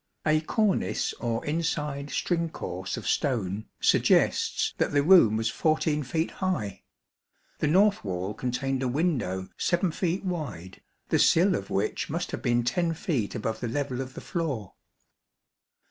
A cornice or inside string course of stone suggests that the room was 14 feet high. The north wall contained a window 7 feet wide, the sill of which must have been 10 feet above the level of the floor.